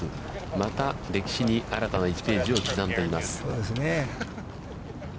また歴史に新たな１ページを刻んでいます。